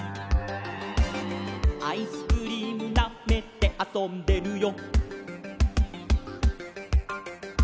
「アイスクリームなめてあそんでるよ」